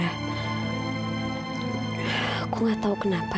aku nggak tahu kenapa